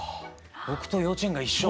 僕と幼稚園が一緒。